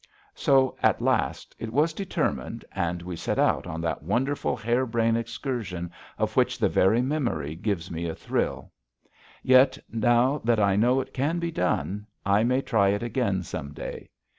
So, at last, it was determined, and we set out on that wonderful harebrain excursion of which the very memory gives me a thrill. Yet, now that I know it can be done, I may try it again some day.